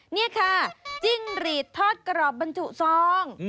นี่ค่ะจิ้งหรีดทอดกรอบบรรจุซอง